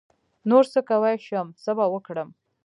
نـور څه کوی شم څه به وکړم.